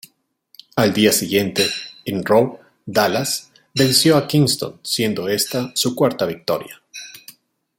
Al día siguiente en Raw, Dallas venció a Kingston, siendo esta su cuarta victoria.